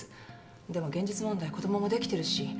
でも現実問題子供もできてるしご主人の。